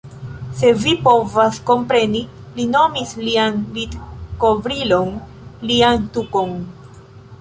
Sed vi povas kompreni. Li nomis lian litkovrilon... lian tukon.